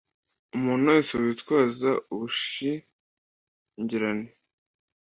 umuntu wese witwaza ubushyingirane